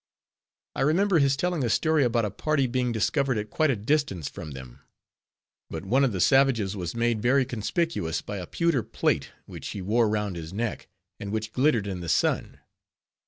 I remember his telling a story about a party being discovered at quite a distance from them; but one of the savages was made very conspicuous by a pewter plate, which he wore round his neck, and which glittered in the sun.